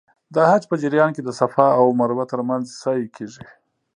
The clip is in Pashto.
د حج په جریان کې د صفا او مروه ترمنځ سعی کېږي.